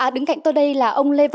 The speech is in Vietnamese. đứng cạnh tôi đây là ông nguyên xuân